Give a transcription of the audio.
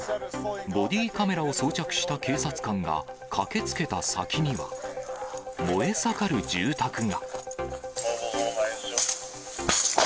ボディーカメラを装着した警察官が駆けつけた先には、燃え盛る住宅が。